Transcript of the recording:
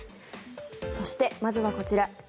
そしてまずはこちら。